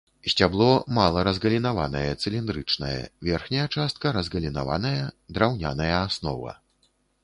Сцябло мала разгалінаванае, цыліндрычнае, верхняя частка разгалінаваная, драўняная аснова.